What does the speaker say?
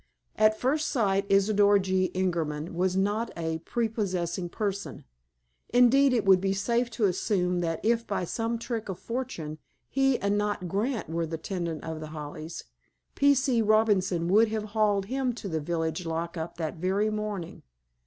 At first sight, Isidor G. Ingerman was not a prepossessing person. Indeed, it would be safe to assume that if, by some trick of fortune, he and not Grant were the tenant of The Hollies, P. C. Robinson would have haled him to the village lock up that very morning.